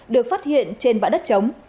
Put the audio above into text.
được phát hiện trên vã đất chống